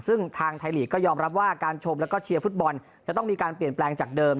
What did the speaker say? ซึ่งทางไทยลีกก็ยอมรับว่าการชมแล้วก็เชียร์ฟุตบอลจะต้องมีการเปลี่ยนแปลงจากเดิม